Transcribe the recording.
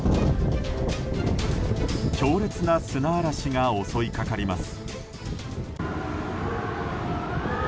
強烈な砂嵐が襲いかかります。